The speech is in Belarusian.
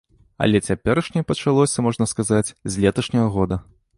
Але цяперашняе пачалося, можна сказаць, з леташняга года.